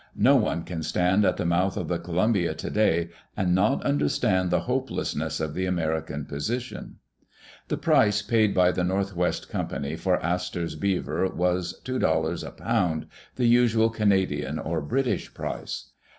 No one can stand at the mouth of the Columbia today and not understand the hopelessness of the American position. The price paid by the North West Company for Astor's beaver was $2.00 a pound, the usual Canadian or British price.